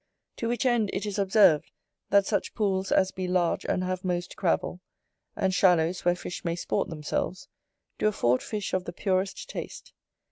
To which end it is observed, that such pools as be large and have most gravel, and shallows where fish may sport themselves, do afford fish of the purest taste.